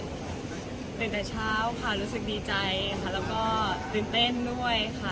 ตื่นแต่เช้าค่ะรู้สึกดีใจค่ะแล้วก็ตื่นเต้นด้วยค่ะ